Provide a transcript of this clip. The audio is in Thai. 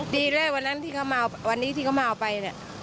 ดีแล้วที่เขามาเอาไป